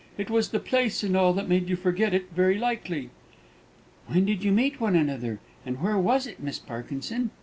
It was the place and all that made you forget it, very likely." "When did you meet one another, and where was it, Miss Parkinson?"